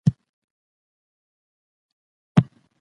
که په تکنالوژۍ کي بدلون رانشي پرمختګ نشي راتلای.